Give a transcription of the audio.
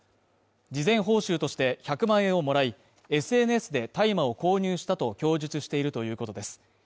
事前報酬として１００万円をもらい、ＳＮＳで大麻を購入したと供述しているということです。